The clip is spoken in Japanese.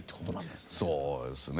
そうですね。